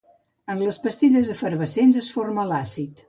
En les pastilles efervescents es forma l'àcid.